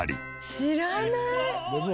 「知らない！」